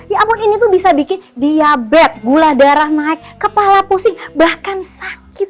ya ampun ini tuh bisa bikin diabetes gula darah naik kepala pusing bahkan sakit